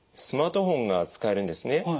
スマートフォンが使えるんですね。